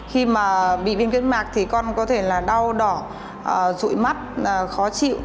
khi mà bị viêm kết mạc thì con có thể là đau đỏ rụi mắt khó chịu